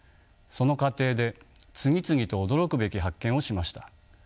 その過程で次々と驚くべき発見をしました。